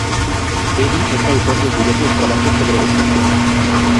Beni es autor de diversos trabajos sobre estos temas.